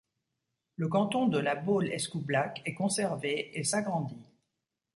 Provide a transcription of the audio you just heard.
Le canton de La Baule-Escoublac est conservé et s'agrandit.